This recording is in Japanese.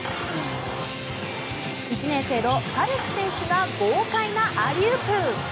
１年生のファルク選手が豪快なアリウープ。